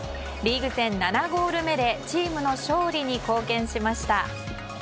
リーグ戦７ゴール目でチームの勝利に貢献しました。